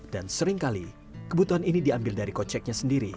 dan seringkali kebutuhan ini diambil dari koceknya sendiri